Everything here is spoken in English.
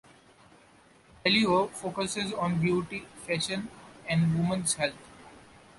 "Allure" focuses on beauty, fashion, and women's health.